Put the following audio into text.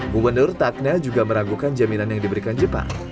gubernur takna juga meragukan jaminan yang diberikan jepang